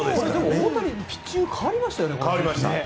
大谷、ピッチング変わりましたよね。